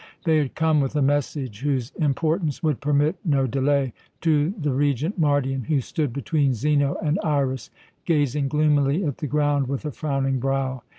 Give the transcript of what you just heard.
They had come with a message, whose importance would permit no delay, to the Regent Mardion, who stood between Zeno and Iras, gazing gloomily at the ground with a frowning brow.